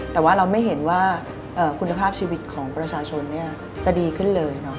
แต่ว่าเราไม่เห็นว่าคุณภาพชีวิตของประชาชนจะดีขึ้นเลย